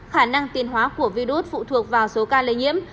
khả năng tiền hóa của virus phụ thuộc vào số ca lây nhiễm